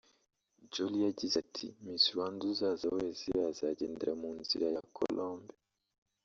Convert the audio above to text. Jolie yagize ati “ Miss Rwanda uzaza wese azagendera mu nzira ya Colombe